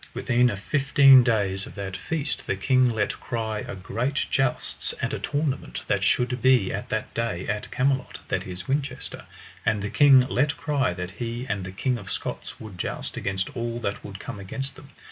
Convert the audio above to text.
Within a fifteen days of that feast the king let cry a great jousts and a tournament that should be at that day at Camelot, that is Winchester; and the king let cry that he and the King of Scots would joust against all that would come against them.